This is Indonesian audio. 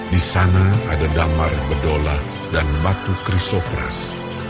disana ada damar bedola dan batu krisopras